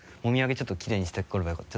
ちょっときれいにしてくればよかった。